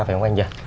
phải không anh nhỉ